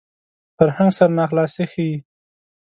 فرهنګ سرناخلاصي ښيي